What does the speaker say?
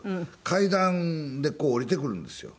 階段でこう下りてくるんですよ。